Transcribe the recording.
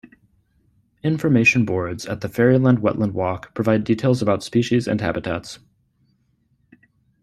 Information boards at the Fairyland Wetland Walk provide details about species and habitats.